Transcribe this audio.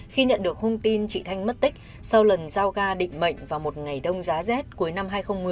khi nhận được thông tin chị thanh mất tích sau lần giao gà định mệnh vào một ngày đông giá z cuối năm hai nghìn một mươi